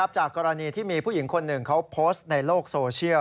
จากกรณีที่มีผู้หญิงคนหนึ่งเขาโพสต์ในโลกโซเชียล